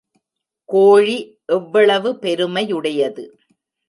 கோழி எவ்வளவு பெருமையுடையது!